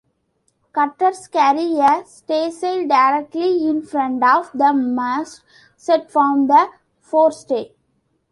Cutters carry a staysail directly in front of the mast, set from the forestay.